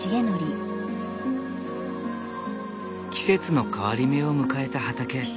季節の変わり目を迎えた畑。